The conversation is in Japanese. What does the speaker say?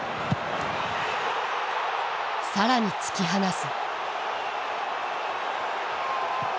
更に突き放す。